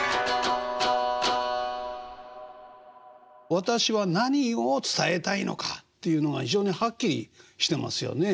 私は何を伝えたいのかっていうのが非常にはっきりしてますよね。